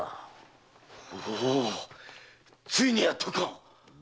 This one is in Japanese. おおついにやったか！